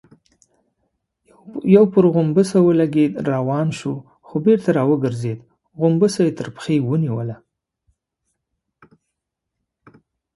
يو پر غومبسه ولګېد، روان شو، خو بېرته راوګرځېد، غومبسه يې تر پښې ونيوله.